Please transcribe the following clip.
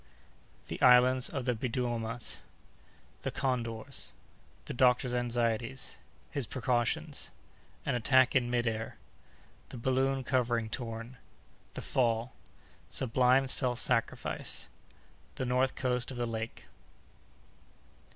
—The Islands of the Biddiomahs.—The Condors.—The Doctor's Anxieties.—His Precautions.—An Attack in Mid air.—The Balloon Covering torn.—The Fall.—Sublime Self Sacrifice.—The Northern Coast of the Lake.